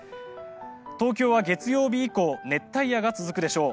東京は月曜日以降熱帯夜が続くでしょう。